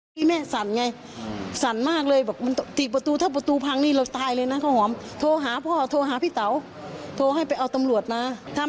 มีใครอยู่กับเขาไหม